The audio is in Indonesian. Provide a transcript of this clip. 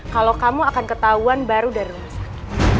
kalau kamu akan ketahuan baru dari rumah sakit